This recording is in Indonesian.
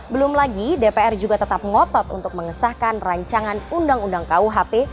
belum lagi dpr juga tetap ngotot untuk mengesahkan rancangan undang undang kuhp